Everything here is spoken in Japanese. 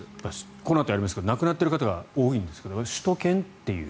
このあとやりますが亡くなっている方が多いですが首都圏という。